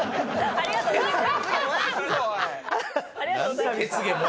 ありがとうございます。